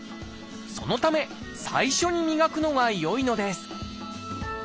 そのため最初に磨くのがよいのです。